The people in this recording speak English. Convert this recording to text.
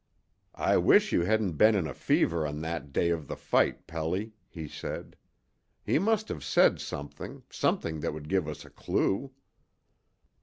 "I wish you hadn't been in a fever on that day of the fight, Pelly," he said. "He must have said something something that would give us a clue."